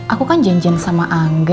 aku kan janjian sama angga